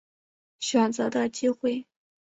选择的机会